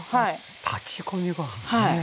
炊き込みご飯ね！